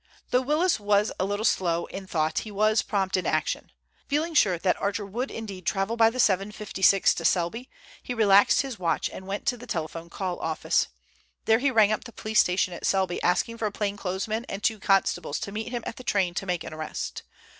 Though Willis was a little slow in thought he was prompt in action. Feeling sure that Archer would indeed travel by the 7.56 to Selby, he relaxed his watch and went to the telephone call office. There he rang up the police station at Selby, asking for a plain clothes man and two constables to meet him at the train to make an arrest.